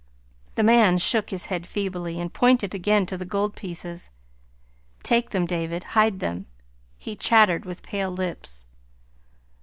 The man shook his head feebly, and pointed again to the gold pieces. "Take them, David, hide them," he chattered with pale lips.